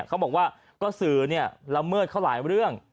เขาบอกว่าก็สื่อละเมิดเขาหลายเรื่อง